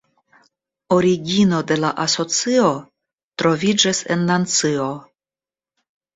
Origino de la asocio troviĝis en Nancio.